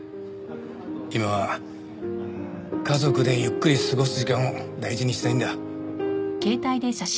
今は家族でゆっくり過ごす時間を大事にしたいんだ。